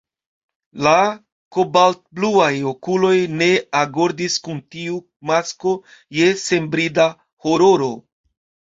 La kobaltbluaj okuloj ne agordis kun tiu masko je senbrida hororo.